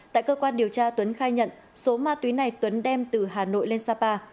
tại cơ quan điều tra tuấn khai nhận số ma túy này tuấn đem từ hà nội lên sapa